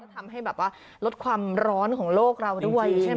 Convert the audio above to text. ทำให้แบบว่าลดความร้อนของโลกเราด้วยใช่ไหม